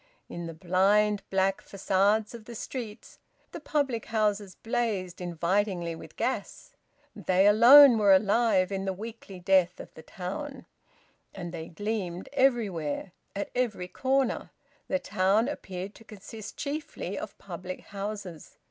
In the blind, black facades of the streets the public houses blazed invitingly with gas; they alone were alive in the weekly death of the town; and they gleamed everywhere, at every corner; the town appeared to consist chiefly of public houses.